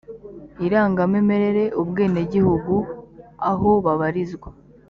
irangamimerere ubwenegihugu aho babarizwa